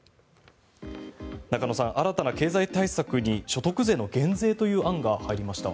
中野さん、新たな経済対策に所得税の減税という案が入りました。